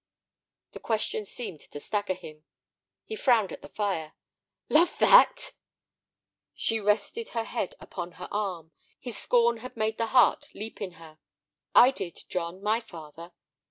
The question seemed to stagger him; he frowned at the fire. "Love that!" She rested her head upon her arm; his scorn had made the heart leap in her. "I did, John, my father.